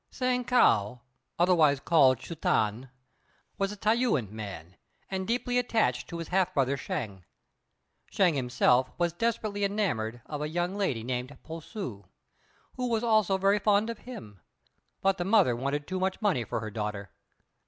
Hsiang Kao, otherwise called Ch'u tan, was a T'ai yüan man, and deeply attached to his half brother Shêng. Shêng himself was desperately enamoured of a young lady named Po ssŭ, who was also very fond of him: but the mother wanted too much money for her daughter.